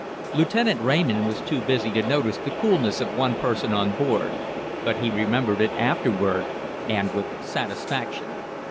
Lieutenant Raymond was too busy to notice the coolness of one person on board; but he remembered it afterward, and with satisfaction.